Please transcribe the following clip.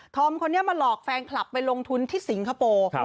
คนนี้มาหลอกแฟนคลับไปลงทุนที่สิงคโปร์